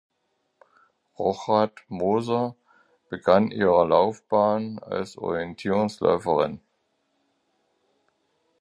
Rochat-Moser begann ihre Laufbahn als Orientierungsläuferin.